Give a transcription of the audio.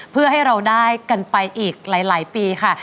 เพื่อให้เราได้กันไปอีกหลายปีค่ะ